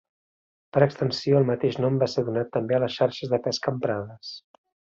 Per extensió el mateix nom va ser donat també a les xarxes de pesca emprades.